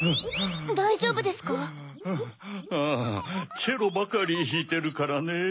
あチェロばかりひいてるからね。